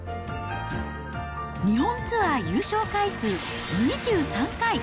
日本ツアー優勝回数２３回。